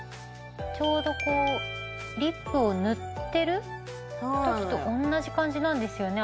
ちょうどこうリップを塗ってる時と同じ感じなんですよね